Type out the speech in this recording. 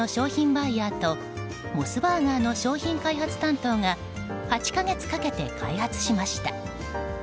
バイヤーとモスバーガーの商品開発担当が８か月かけて開発しました。